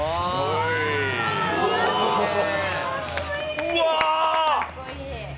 うわ。